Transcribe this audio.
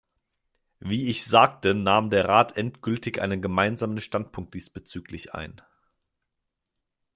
Wie ich sagte, nahm der Rat endgültig einen gemeinsamen Standpunkt diesbezüglich ein.